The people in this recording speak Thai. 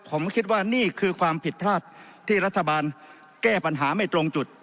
ผมคิดว่านี่คือความผิดพลาดที่รัฐบาลแก้ปัญหาไม่ตรงจุด